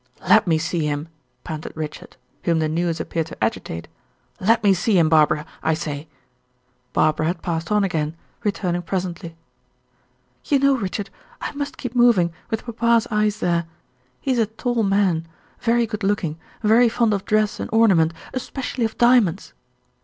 "Let me see him," panted Richard, whom the news appeared to agitate; "let me see him, Barbara, I say " Barbara had passed on again, returning presently. "You know, Richard, I must keep moving, with papa's eyes there. He is a tall man, very good looking, very fond of dress and ornament, especially of diamonds."